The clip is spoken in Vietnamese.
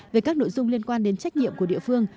về các nội dung liên quan đến trách nhiệm của địa phương